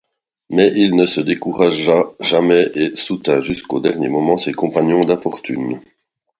Mais il ne se découragea jamais et soutint jusqu’au dernier moment ses compagnons d’infortune.